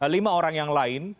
lima orang yang lain